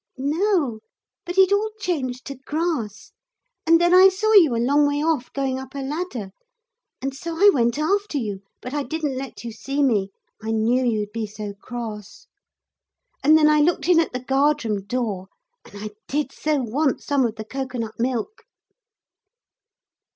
'No, but it all changed to grass; and then I saw you a long way off, going up a ladder. And so I went after you. But I didn't let you see me. I knew you'd be so cross. And then I looked in at the guard room door, and I did so want some of the cocoa nut milk.'